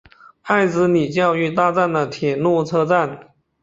爱之里教育大站的铁路车站。